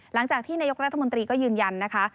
หลังจากที่นายกรัฐมนตรีก็ยืนยันนะคะ